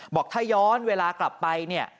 บอกถ้าย้อนเวลากลับไปเนี่ย